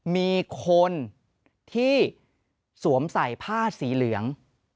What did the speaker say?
มีคนที่สวมใส่ผ้าสีเหลือง